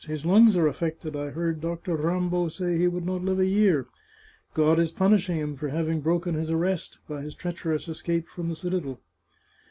His lungs are affected; I heard Dr. Rambo say he would not live a year. God is punishing him for having broken his arrest ... by his treacherous escape from the citadel."